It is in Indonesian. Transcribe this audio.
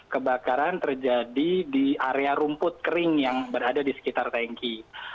kebakaran terjadi di area rumput kering yang berada di sekitar tanki